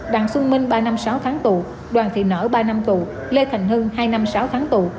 đoàn xuân minh ba năm sáu tháng tù đoàn thị nở ba năm tù lê thành hưng hai năm sáu tháng tù